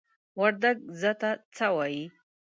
وردگ "ځه" ته "څَ" وايي.